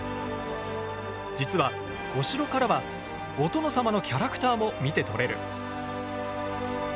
実はお城からはお殿様のキャラクターも見て取れる！